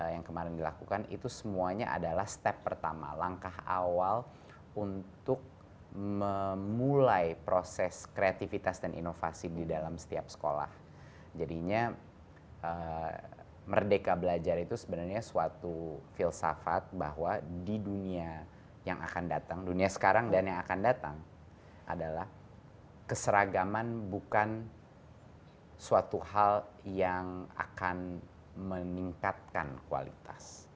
yang kemarin dilakukan itu semuanya adalah step pertama langkah awal untuk memulai proses kreativitas dan inovasi di dalam setiap sekolah jadinya merdeka belajar itu sebenarnya suatu filsafat bahwa di dunia yang akan datang dunia sekarang dan yang akan datang adalah keseragaman bukan suatu hal yang akan meningkatkan kualitas